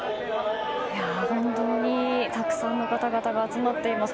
本当にたくさんの方々が集まっています。